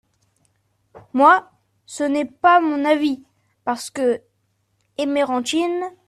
Moi, ce n’est pas mon avis… parce que Emerantine…